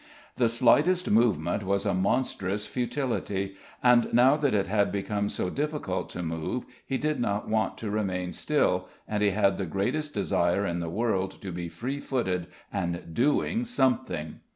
The slightest movement was a monstrous futility, and now that it had become so difficult to move he did not want to remain still, and he had the greatest desire in the world to be free footed and doing something.